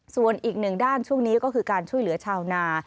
ส่วนอีกหนึ่งด้านช่วงนี้ก็คือการช่วยเหลือชาวนา